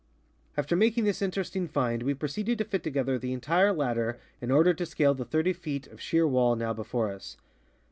After making this interesting find we proceeded to fit together the entire ladder in order to scale the 30 feet of sheer wall now before us.